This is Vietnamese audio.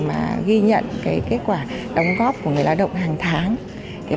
mà ghi nhận cái kết quả đóng góp của người lao động hàng năm